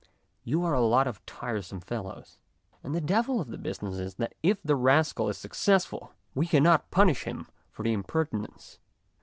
You are a lot of tiresome fellows !" And the devil of the business is that if the rascal is suc cessful we cannot punish him for his imper tinence.